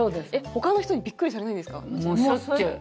他の人にビックリされないんですか？